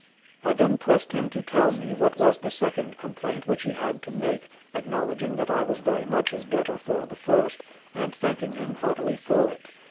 I then pressed him to tell me what was the second complaint which he had to make, acknowledging that I was very much his debtor for the first, and thanking him heartily for it.